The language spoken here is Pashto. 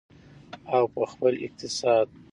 او په خپل اقتصاد.